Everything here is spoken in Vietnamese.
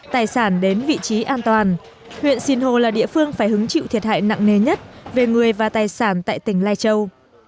tài sản đến vị trí an toàn huyện sinh hồ là địa phương phải hứng chịu thiệt hại nặng nề nhất về người và tài sản tại tỉnh lai châu